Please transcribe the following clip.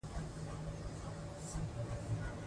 د کور په انګړ کې د حوضونو اوبه په وخت بدلول پکار دي.